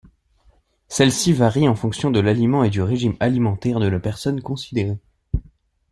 Celle-ci varie en fonction de l'aliment et du régime alimentaire de la personne considérée.